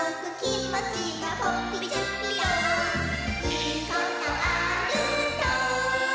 「いいことあると」